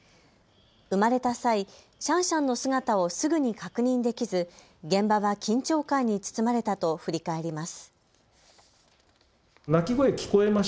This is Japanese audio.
生まれた際、シャンシャンの姿をすぐに確認できず、現場は緊張感に包まれたと振り返ります。